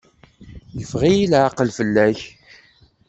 Yeffeɣ-iyi leɛqel fell-ak.